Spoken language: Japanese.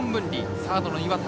サードの岩田。